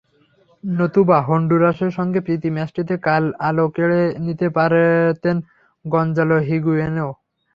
নতুবা হন্ডুরাসের সঙ্গে প্রীতি ম্যাচটিতে কাল আলো কেড়ে নিতে পারতেন গঞ্জালো হিগুয়েইনও।